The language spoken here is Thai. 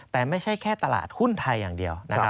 แต่ไม่ใช่แค่ตลาดหุ้นไทยอย่างเดียว